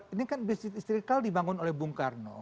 ini kan masjid istiqlal dibangun oleh bung karno